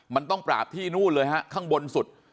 มันต้องปราบที่นู่นเลยฮะข้างบนสุด